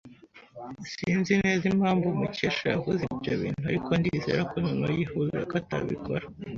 Sinzi neza impamvu Mukesha yavuze ibyo bintu, ariko ndizera ko noneho yifuza ko atabikora.